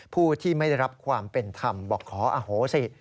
ผู้ที่ไม่ได้รับความเป็นธรรมบอกขออโหสิ